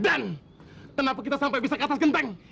kenapa kita sampai bisa ke atas genteng